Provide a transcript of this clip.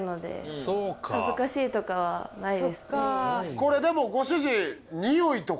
これでもご主人。